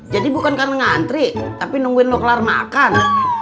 jadi bukan karena ngantri tapi nungguin lo kelar makan